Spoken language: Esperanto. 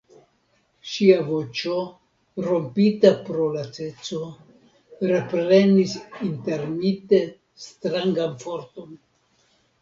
Ŝia voĉo, rompita pro laceco, reprenis intermite strangan forton.